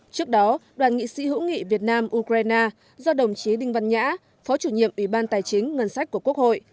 trước đó đoàn nghị sĩ hữu nghị việt nam ukraine do đồng chí đinh văn nhã phó chủ nhiệm ủy ban tài chính ngân sách của quốc hội